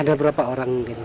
ada berapa orang yang disini